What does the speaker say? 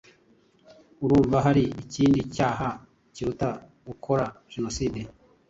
urumva hari ikindi cyaha kiruta gukora jenoside?